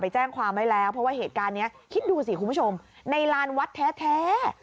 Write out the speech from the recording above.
เพราะว่าเหตุการณ์เนี้ยคิดดูสิคุณผู้ชมในลานวัดแท้แท้